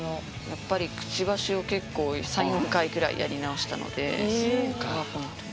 やっぱりくちばしを結構３４回くらいやり直したのでそこがポイント。